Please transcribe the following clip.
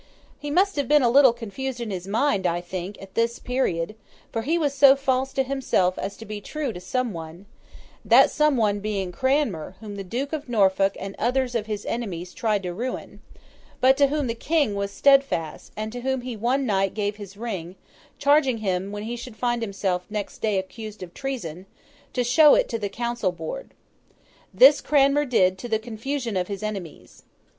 He must have been a little confused in his mind, I think, at about this period; for he was so false to himself as to be true to some one: that some one being Cranmer, whom the Duke of Norfolk and others of his enemies tried to ruin; but to whom the King was steadfast, and to whom he one night gave his ring, charging him when he should find himself, next day, accused of treason, to show it to the council board. This Cranmer did to the confusion of his enemies.